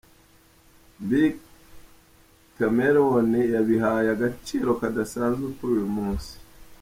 be, Chameleone yabihaye agaciro kadasanzwe kuri uyu munsi.